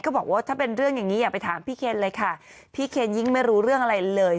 บอกว่าถ้าเป็นเรื่องอย่างนี้อย่าไปถามพี่เคนเลยค่ะพี่เคนยิ่งไม่รู้เรื่องอะไรเลย